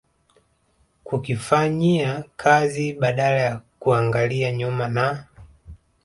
kukifanyia kazi badala ya kuangalia nyuma na